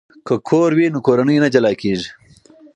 که کور وي نو کورنۍ نه جلا کیږي.